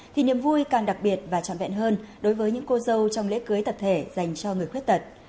thì niềm vui càng đặc biệt và trọn vẹn hơn đối với những cô dâu trong lễ cưới tập thể dành cho người khuyết tật